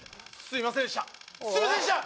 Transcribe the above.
すいませんでした！